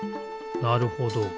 なるほど。